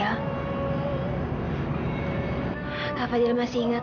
kak fadil masih ingat gak